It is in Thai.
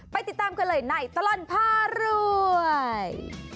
ติดตามกันเลยในตลอดพารวย